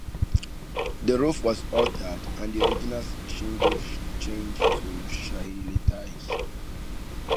The roof was also altered and the original shingles changed to Marseilles tiles.